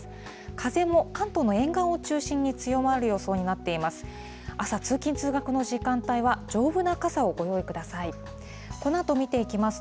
風も関東の沿岸を中心に強まる予想になっています。